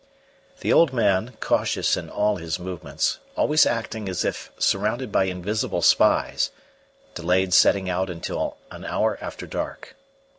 The old man, cautious in all his movements, always acting as if surrounded by invisible spies, delayed setting out until an hour after dark.